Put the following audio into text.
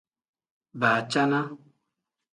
Baacana.